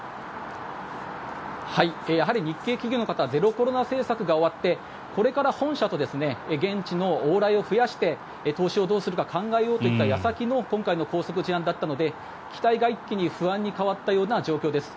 やはり日系企業の方はゼロコロナ政策が終わってこれから本社と現地の往来を増やして投資をどうする考えようという矢先の今回の拘束事案だったので期待が一気に不安に変わったような状況です。